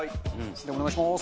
お願いします。